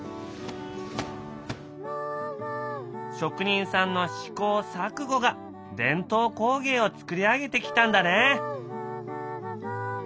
職人さんの試行錯誤が伝統工芸を作り上げてきたんだね。